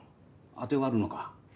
当てはあるのか？